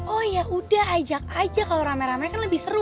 oh yaudah ajak aja kalau rame rame kan lebih seru